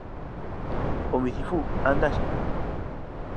O micifú anda á xaneira